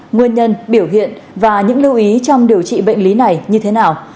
nguyên nhân biểu hiện và những lưu ý trong điều trị bệnh lý này như thế nào